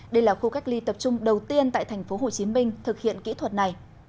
đây là khu cách ly tập trung đầu tiên tại tp hcm thực hiện kỹ thuật này